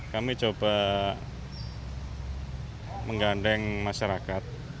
kami coba menggandeng masyarakat